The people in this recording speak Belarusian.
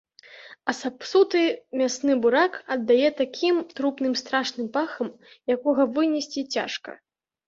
А сапсуты мясны бурак аддае такім трупным страшным пахам, якога вынесці цяжка.